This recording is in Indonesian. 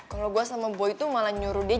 kalau gue sama boy itu malah nyuruh dia